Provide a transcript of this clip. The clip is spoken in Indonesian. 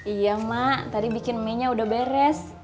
iya mak tadi bikin mie nya udah beres